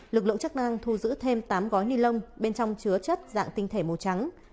lực lượng chức năng thu giữ thêm tám gói ni lông bên trong chứa chất dạng tinh thể màu trắng